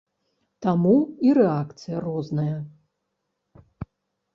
Таму і рэакцыя розная.